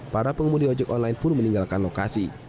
para pengemudi ojek online pun meninggalkan lokasi